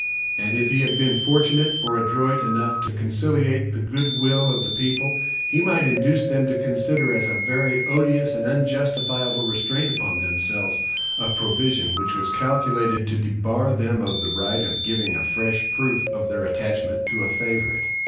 And if he had been fortunate or adroit enough to conciliate the good will of the people, he might induce them to consider as a very odious and unjustifiable restraint upon themselves, a provision which was calculated to debar them of the right of giving a fresh proof of their attachment to a favorite.